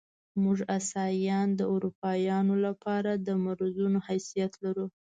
موږ اسیایان د اروپایانو له پاره د مرضونو حیثیت لرو.